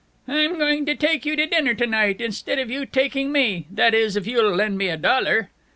"I'm going to take you to dinner to night, instead of you taking me. That is, if you'll lend me a dollar!"